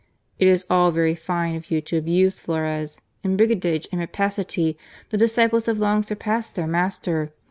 It is all very fine of you to abuse Flores ; in brigandage and rapacity the disciples have long surpassed their master!